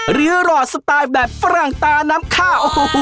หรือหล่อสไตล์แบบฝรั่งตาน้ำค่า